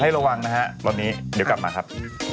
ระวังนะฮะตอนนี้เดี๋ยวกลับมาครับ